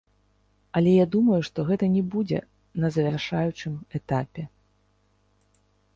Але я думаю, што гэтага не будзе на завяршаючым этапе.